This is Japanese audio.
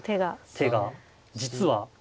手が実は。